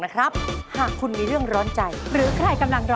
ครึ่งแทนบาท